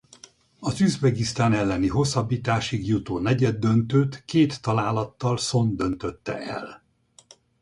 Az Üzbegisztán elleni hosszabbításig jutó negyeddöntőt két találattal Szon döntötte el.